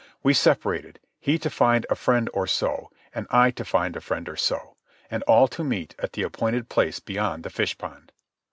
We separated—he to find a friend or so, and I to find a friend or so, and all to meet at the appointed place beyond the fish pond.